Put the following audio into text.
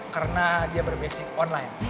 karena dia berbasis online